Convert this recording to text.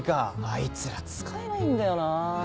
あいつら使えないんだよなぁ。